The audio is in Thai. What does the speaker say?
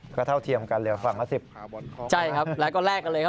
ก็เท่าเทียมกันเหลือฝั่งละสิบใช่ครับแล้วก็แลกกันเลยครับ